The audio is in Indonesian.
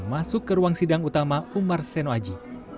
masuk ke ruang sidang utama umar senoaji